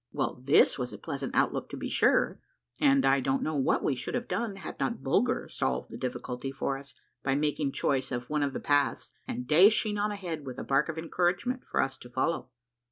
Well, this was a pleasant outlook to be sure, and, I don't know what we should have done had not Bulger solved the difficulty for us by making choice of one of the paths and dashing on ahead with a bark of encouragement for us to follow.